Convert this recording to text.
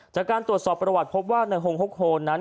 จากการตรวจสอบประวัติพบว่าในโฮงฮกโฮนนั้น